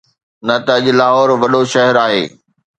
نه ته اڄ لاهور وڏو شهر آهي.